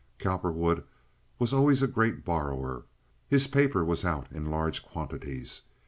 Cowperwood was always a great borrower. His paper was out in large quantities.